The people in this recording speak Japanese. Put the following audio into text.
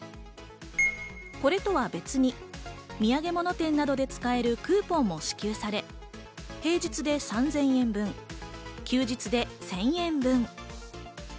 これとは別に土産物店などで使えるクーポンも支給され、平日で３０００円分、休日で１０００円分。